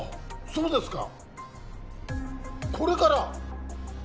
そうですかこれから？